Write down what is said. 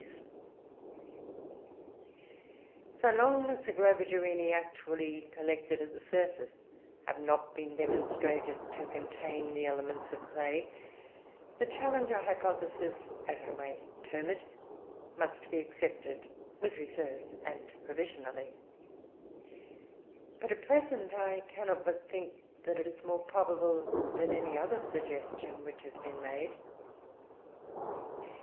"] So long as the Globigerinoe;, actually collected at the surface, have not been demonstrated to contain the elements of clay, the Challenger hypothesis, as I may term it, must be accepted with reserve and provisionally, but, at present, I cannot but think that it is more probable than any other suggestion which has been made.